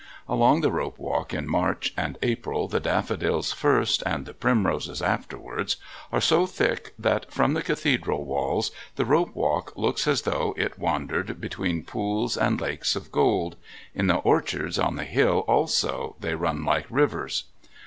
Along the Rope Walk in March and April the daffodils first, and the primroses afterwards, are so thick that, from the Cathedral walls, the Rope Walk looks as though it wandered between pools and lakes of gold. In the Orchards on the hill also they run like rivers.